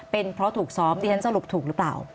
เป็นเพราะถูกซ้อมดิฉันสรุปถูกหรือเปล่า